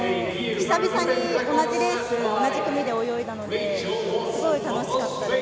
久々に同じレース同じ組で泳いだのですごい楽しかったです。